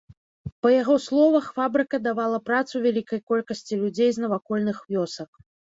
Па яго словах, фабрыка давала працу вялікай колькасці людзей з навакольных вёсак.